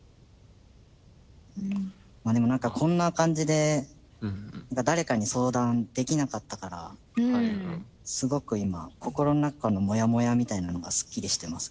でも何かこんな感じで誰かに相談できなかったからすごく今心の中のモヤモヤみたいなのがすっきりしてます。